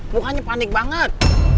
bukannya panik banget